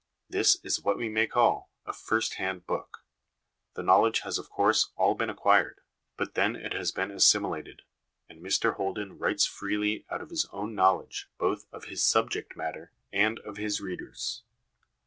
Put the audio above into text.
This is what we may call a ' first hand ' book. The knowledge has of course all been acquired ; but then it has been assimilated, and Mr Holden writes freely out of his own knowledge both of his subject matter and of his readers.